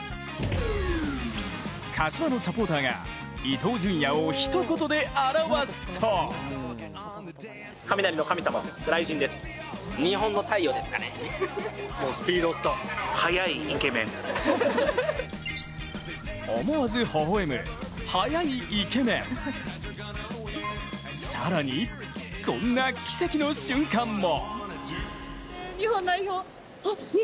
柏のサポーターが、伊東純也をひと言で表すと思わず微笑む、「速いイケメン」更に、こんな奇跡の瞬間も。